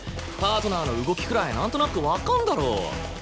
パートナーの動きくらいなんとなくわかんだろ。